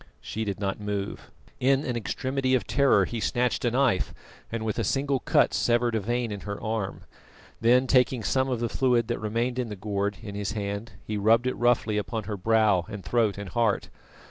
She did not move. In an extremity of terror he snatched a knife, and with a single cut severed a vein in her arm, then taking some of the fluid that remained in the gourd in his hand, he rubbed it roughly upon her brow and throat and heart.